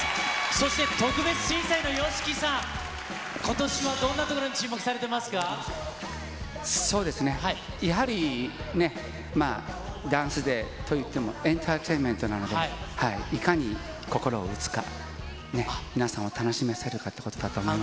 そして特別審査員のＹＯＳＨＩＫＩさん、ことしはどんなところにそうですね、やはりね、ＤＡＮＣＥＤＡＹといってもエンターテインメントなので、いかに心を打つか、皆さんを楽しませるかということだと思います。